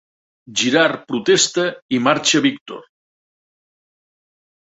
Girard protesta i marxa Víctor.